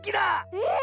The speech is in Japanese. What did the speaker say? うん！